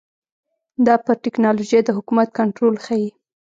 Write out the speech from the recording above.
دا پر ټکنالوژۍ د حکومت کنټرول ښيي.